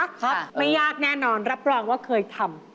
ครับไม่ยากแน่นอนรับรองว่าเคยทำ